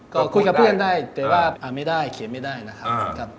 ก็คุยกับเพื่อนได้แต่ว่าอ่านไม่ได้เขียนไม่ได้นะครับ